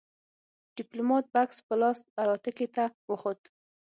ديپلومات بکس په لاس الوتکې ته وخوت.